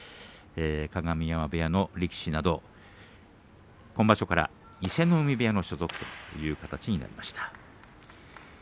鏡山部屋の力士は今場所から伊勢ノ海部屋の所属ということになります。